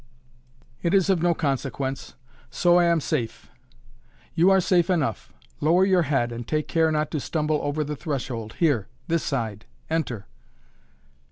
"It is of no consequence. So I am safe." "You are safe enough. Lower your head and take care not to stumble over the threshold. Here this side enter."